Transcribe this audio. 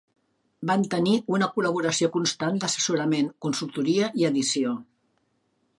Van tenir una col·laboració constant d'assessorament, consultoria i edició.